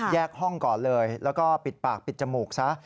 ห้องก่อนเลยแล้วก็ปิดปากปิดจมูกซะ